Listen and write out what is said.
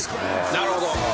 なるほど。